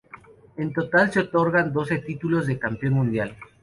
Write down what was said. En total se otorgarán doce títulos de campeón mundial.